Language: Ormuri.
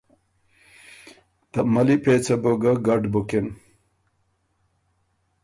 ته مَلّی پېڅه بو ګه ګډ بُکِن۔